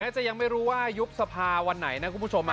จะยังไม่รู้ว่ายุบสภาวันไหนนะคุณผู้ชม